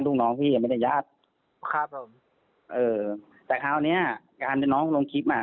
ลูกน้องพี่ยังไม่ได้ญาติครับผมเอ่อแต่คราวเนี้ยการที่น้องลงคลิปอ่ะ